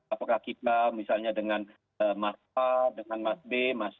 apakah kita misalnya dengan mas a mas b mas c